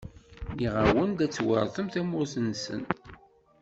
Nniɣ-awen-d: Ad tweṛtem tamurt-nsen.